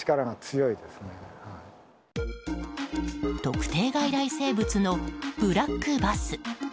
特定外来生物のブラックバス。